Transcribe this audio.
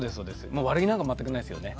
もう悪気なんか全くないですよね。